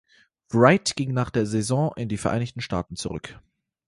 Wright ging nach der Saison in die Vereinigten Staaten zurück.